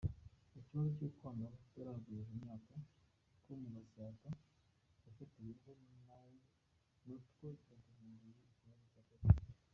Ikibazo cy’utwangavu tutarakwiza imyaka two mu Gasyata yafatiweho, natwo yaduhinduye ikibazo cya politikeki .